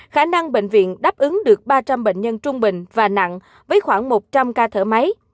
khả năng bệnh viện đáp ứng được ba trăm linh bệnh nhân trung bình và nặng với khoảng một trăm linh ca thở máy